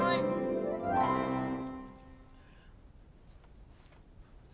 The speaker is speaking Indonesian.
ya pak bangun